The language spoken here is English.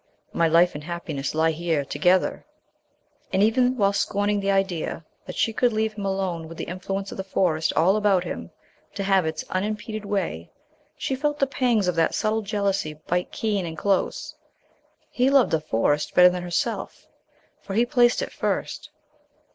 My life and happiness lie here together." And eve while scorning the idea that she could leave him alone with the Influence of the Forest all about him to have its unimpeded way, she felt the pangs of that subtle jealousy bite keen and close. He loved the Forest better than herself, for he placed it first.